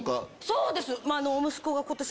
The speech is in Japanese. そうです！